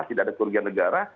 dan tidak ada kelebihan negara